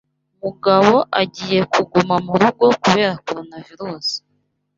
Mugabo agiye kuguma murugo kubera Coronavirus.